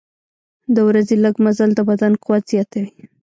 د ورځې لږ مزل د بدن قوت زیاتوي.